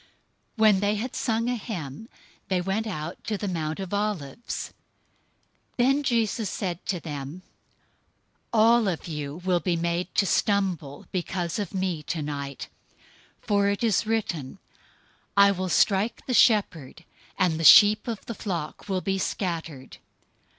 026:030 When they had sung a hymn, they went out to the Mount of Olives. 026:031 Then Jesus said to them, "All of you will be made to stumble because of me tonight, for it is written, 'I will strike the shepherd, and the sheep of the flock will be scattered.'